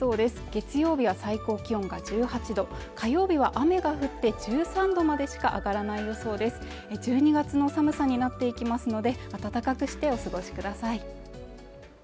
月曜日は最高気温が１８度火曜日は雨が降って１３度までしか上がらない予想ですが１２月の寒さになっていきますので暖かくしてお過ごしください